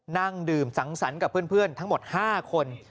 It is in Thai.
นั่งดื่มสังสรรค์กับเพื่อนทั้งหมด๕คน